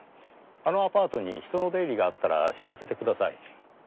あのアパートに人の出入りがあったら知らせてください。